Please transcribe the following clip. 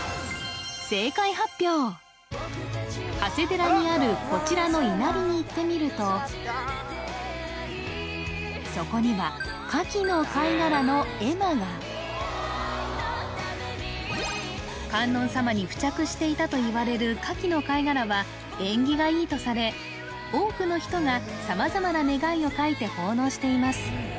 正解発表長谷寺にあるこちらの稲荷に行ってみるとそこには牡蠣の貝殻の絵馬が観音様に付着していたといわれる牡蠣の貝殻は縁起がいいとされ多くの人が様々な願いを書いて奉納しています